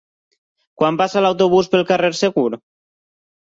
Quan passa l'autobús pel carrer Segur?